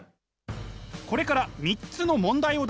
これから３つの問題を出します。